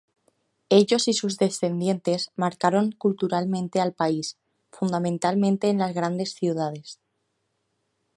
Ellos y sus descendientes marcaron culturalmente al país, fundamentalmente en las grandes ciudades.